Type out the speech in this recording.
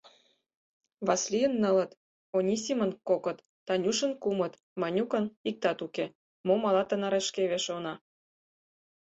— Васлийын — нылыт, Онисимын — кокыт, Танюшын — кумыт, Манюкын... иктат уке, мом ала тынарышкеве шона?